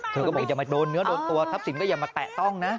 เธอก็บอกอย่ามาโดนเนื้อโดนตัวทรัพย์สินก็อย่ามาแตะต้องนะ